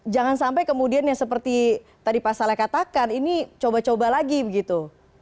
jangan sampai kemudian yang seperti tadi pak saleh katakan ini coba coba lagi begitu